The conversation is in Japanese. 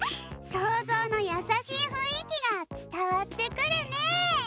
そうぞうのやさしいふんいきがつたわってくるね。